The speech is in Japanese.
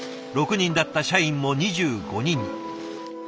６人だった社員も２５人に。